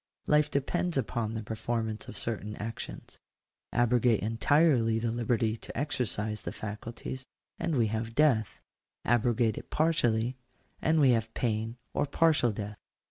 Life depends upon the performance of certain actions. Abrogate entirely the liberty to exercise the faculties, and we have death : abrogate it partially, and we have pain or partial death.